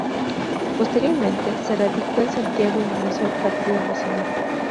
Posteriormente, se radicó en Santiago e ingresó al Partido Nacional.